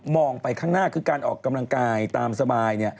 ไปข้างหน้าคือการออกกำลังกายตามสบาย